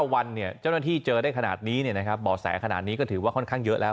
๙วันเนี่ยเจ้าหน้าที่เจอได้ขนาดนี้เนี่ยนะครับบ่อแสขนาดนี้ก็ถือว่าค่อนข้างเยอะแล้ว